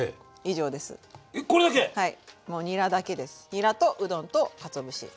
にらとうどんとかつお節。